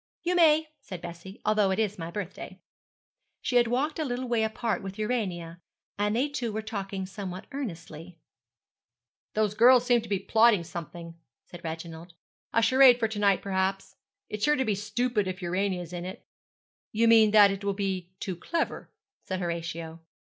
'You may,' said Bessie, 'although it is my birthday.' She had walked a little way apart with Urania, and they two were talking somewhat earnestly. 'Those girls seem to be plotting something,' said Reginald; 'a charade for to night, perhaps. It's sure to be stupid if Urania's in it.' 'You mean that it will be too clever,' said Horatio.